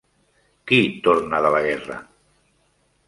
Qui torna de la guerra?